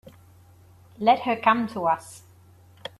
Let her come to us.